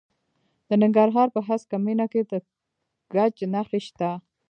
د ننګرهار په هسکه مینه کې د ګچ نښې شته.